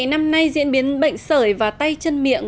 năm nay diễn biến bệnh sởi và tay chân miệng